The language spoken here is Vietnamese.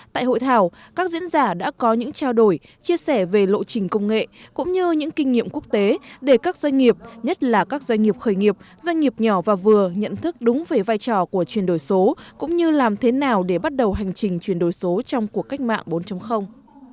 tại hội thảo các diễn giả đã có những trao đổi chia sẻ về lộ trình công nghệ cũng như những kinh nghiệm quốc tế để các doanh nghiệp nhất là các doanh nghiệp khởi nghiệp doanh nghiệp nhỏ và vừa nhận thức đúng về vai trò của chuyển đổi số cũng như làm thế nào để bắt đầu hành trình chuyển đổi số trong cuộc cách mạng bốn